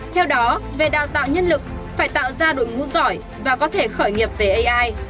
theo đó về đào tạo nhân lực phải tạo ra đội ngũ giỏi và có thể khởi nghiệp về ai